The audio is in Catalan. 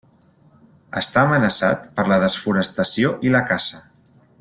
Està amenaçat per la desforestació i la caça.